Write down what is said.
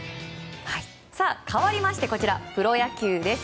かわりまして、プロ野球です。